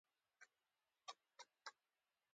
د هرات ښار د هرات مرکز دی